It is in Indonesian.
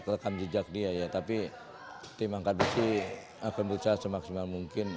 rekam jejak dia ya tapi tim angkat besi akan berusaha semaksimal mungkin